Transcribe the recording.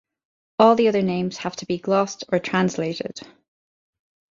All the other names have to be glossed or "translated".